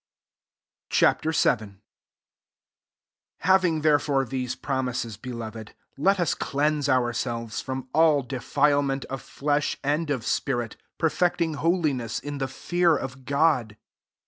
Ch. VII. 1 Having therefore these promises, beloved, let us cleanse ourselves from all de filement of flesh and of spirit, perfecting holiness in the fear of God.